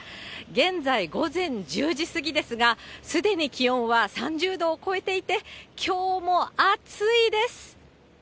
現在、午前１０時過ぎですが、すでに気温は３０度を超えていて、きょうも暑いです。